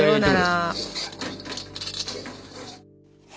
さようなら。